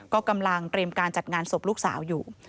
ก็กำลังเตรียมการจัดงานศพลูกสาวอยู่